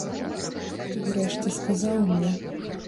Ты ўрэшце сказаў мне.